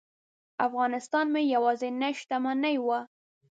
افغانستان مې یوازینۍ شتمني وه.